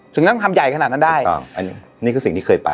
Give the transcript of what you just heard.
ถึงต้องทำใหญ่ขนาดนั้นได้ถูกต้องอันนี้นี่คือสิ่งที่เคยไป